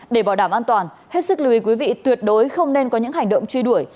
để bảo đảm an toàn hết sức lưu ý quý vị tuyệt đối không nên có những hành động truy đuổi